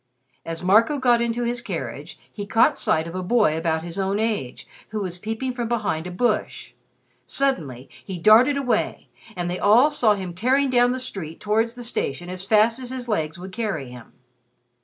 As Marco got into his carriage, he caught sight of a boy about his own age who was peeping from behind a bush. Suddenly he darted away, and they all saw him tearing down the street towards the station as fast as his legs would carry him.